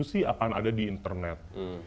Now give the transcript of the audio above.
sih akan ada di internet